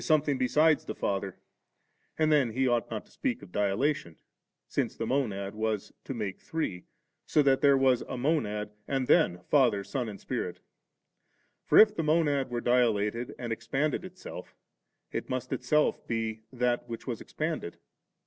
thing berides the Father, and then he ought not to ^eak of dilatation, since the Monad was to make Three, so that there was a Monad, and then Father, Son, and Spirit For if the Monad were dilated, and expanded itself it must itself be that which was expanded.